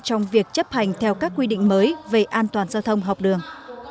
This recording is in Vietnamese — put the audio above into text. trong việc chấp hành theo các quy định mới về an toàn giao thông học đường